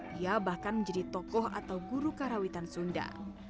dia bahkan menjadi tokoh atau guru karawitan sunda